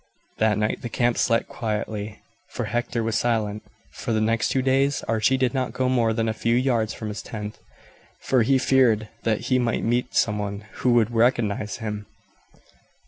That night the camp slept quietly, for Hector was silent. For the next two days Archie did not go more than a few yards from his tent, for he feared that he might meet some one who would recognize him.